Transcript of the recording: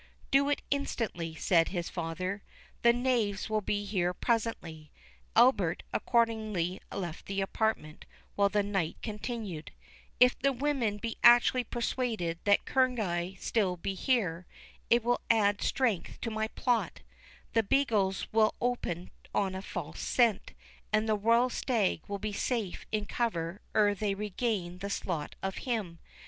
"Do so instantly," said his father; "the knaves will be here presently." Albert accordingly left the apartment, while the knight continued—"If the women be actually persuaded that Kerneguy be still here, it will add strength to my plot—the beagles will open on a false scent, and the royal stag be safe in cover ere they regain the slot of him.